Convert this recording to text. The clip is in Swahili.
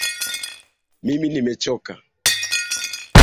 Mimi nimechoka